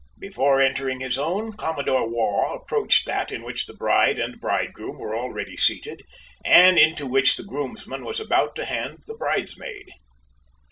Before entering his own, Commodore Waugh approached that in which the bride and bridegroom were already seated, and into which the groomsman was about to hand the bridesmaid.